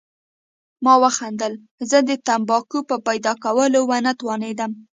ما وخندل، زه د تمباکو په پیدا کولو ونه توانېدم.